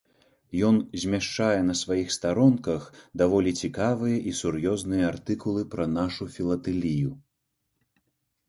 Ён змяшчае на сваіх старонках даволі цікавыя і сур'ёзныя артыкулы пра нашу філатэлію.